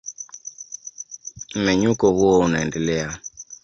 Mmenyuko huo unaendelea.